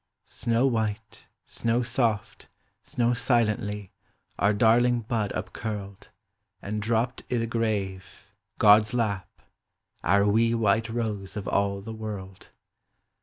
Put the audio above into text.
Snow white, snow soft, snow silently Our darling bud upeurled. And dropt i' the grave — t tod's lap — our wee White Hose of all the world.